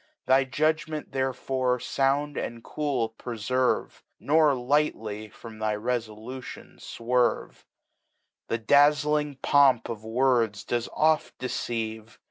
Thy Judgment therefore found and cool preferve. Nor liglmy from thy Refolution fwerye; The dazUng Pomp of Words does oft deceive.